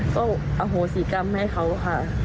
ก็อโหสิกรรมให้เขาค่ะ